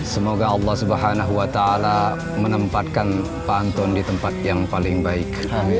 semoga allah subhanahu wa ta'ala menempatkan pantun di tempat yang paling baik